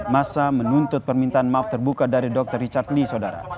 masa menuntut permintaan maaf terbuka dari dr richard lee saudara